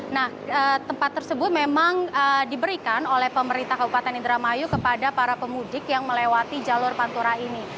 nah tempat tersebut memang diberikan oleh pemerintah kabupaten indramayu kepada para pemudik yang melewati jalur pantura ini